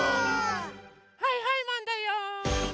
はいはいマンだよ！